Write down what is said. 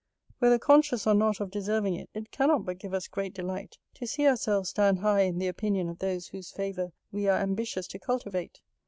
Whether conscious or not of deserving it, it cannot but give us great delight, to see ourselves stand high in the opinion of those whose favour we are ambitious to cultivate.